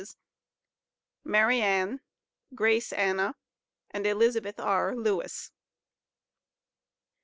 MARIANN, GRACE ANNA, AND ELIZABETH R. LEWIS.